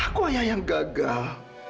aku ayah yang gagal